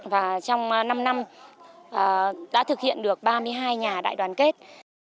và trong năm năm đã thực hiện được ba mươi hai nhà đại đoàn kết